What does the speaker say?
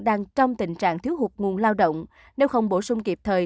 đang trong tình trạng thiếu hụt nguồn lao động nếu không bổ sung kịp thời